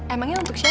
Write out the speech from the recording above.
emangnya untuk siapa